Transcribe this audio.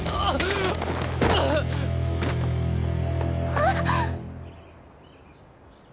あっ！